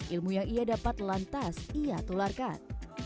ilmu yang ia dapat lantas ia tularkan